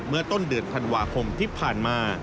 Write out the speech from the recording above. เมื่อต้นเดือนธันวาคมที่ผ่านมา